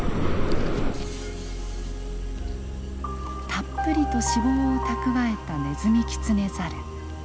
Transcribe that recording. たっぷりと脂肪を蓄えたネズミキツネザル。